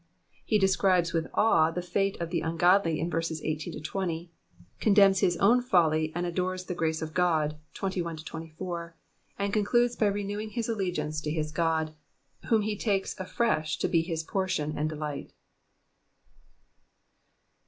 Ue describes icUh awe the fate of the ungodly in xperses 18 — 20, condemns his own folly and adores the grace of God, 21 — 24, arid concludes by renewing his allegiance to his God, whom he takes afresh to be his portion and delight.